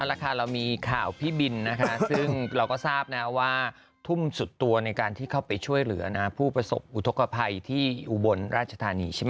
แล้วค่ะเรามีข่าวพี่บินนะคะซึ่งเราก็ทราบนะว่าทุ่มสุดตัวในการที่เข้าไปช่วยเหลือผู้ประสบอุทธกภัยที่อุบลราชธานีใช่ไหม